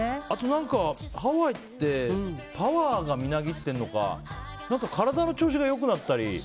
あとは、ハワイってパワーがみなぎっているのか何か体の調子が良くなったり。